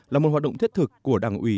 là một hoạt động thiết thực của đảng ủy